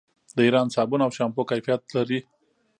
د ایران صابون او شامپو کیفیت لري.